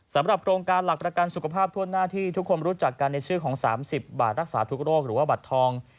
สำหรับโครงการหลักประกันสุขภาพทั่วหน้าที่ทุกคนรู้จักกันในชื่อของ๓๐บาทรักษาทุกโรคหรือว่าบัตรทอง